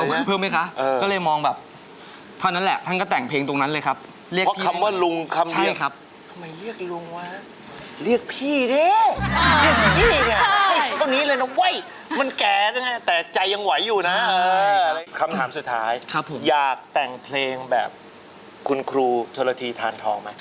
คำถามสุดท้ายอยากแต่งเพลงแบบคุณครูชวนละทีทานทองไหม